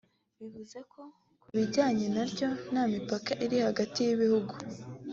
bivuze ko ku bijyanye naryo nta mipaka iri hagati y’ibihugu